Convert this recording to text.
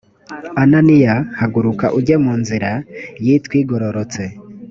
ananiya haguruka ujye mu nzira yitwa igororotse